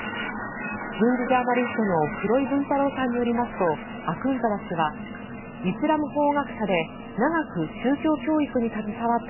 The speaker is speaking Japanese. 軍事ジャーナリストの黒井文太郎さんによりますとアクンザダ師はイスラム法学者で長く宗教教育に携わった